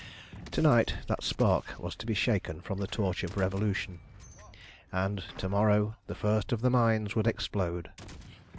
To night that spark was to be shaken from the torch of Revolution, and to morrow the first of the mines would explode.